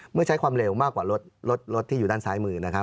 เมื่อใช้ความเร็วมากกว่ารถที่อยู่ด้านซ้ายมือ